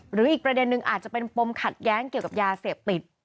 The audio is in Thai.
อีกประเด็นนึงอาจจะเป็นปมขัดแย้งเกี่ยวกับยาเสพติด